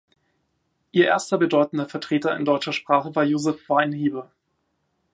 Ihr erster bedeutender Vertreter in deutscher Sprache war Josef Weinheber.